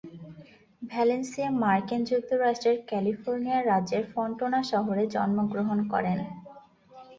Valencia মার্কিন যুক্তরাষ্ট্রের California রাজ্যের ফন্টানা শহরে জন্মগ্রহণ করেন।